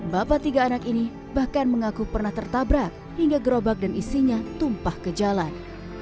bapak tiga anak ini bahkan mengaku pernah tertabrak hingga gerobak dan isinya tumpah ke jalan